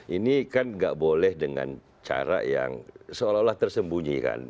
ini kan nggak boleh dengan cara yang seolah olah tersembunyikan